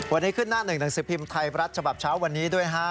วันนี้ขึ้นหน้าหนึ่งหนังสือพิมพ์ไทยรัฐฉบับเช้าวันนี้ด้วยฮะ